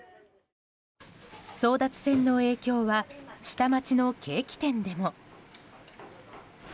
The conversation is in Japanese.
争奪戦の影響は下町のケーキ店でも。